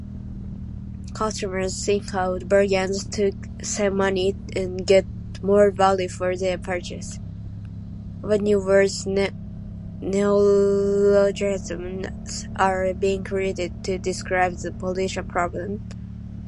what new words neologisms are being created to describe the pollution problem?